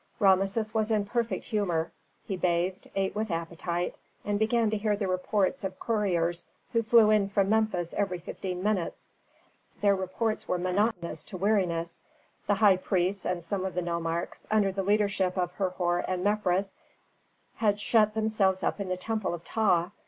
Rameses was in perfect humor. He bathed, ate with appetite, and began to hear the reports of couriers who flew in from Memphis every fifteen minutes. Their reports were monotonous to weariness: The high priests and some of the nomarchs, under the leadership of Herhor and Mefres, had shut themselves up in the temple of Ptah.